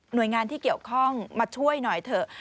โดยงานที่เกี่ยวข้องมาช่วยหน่อยเถอะ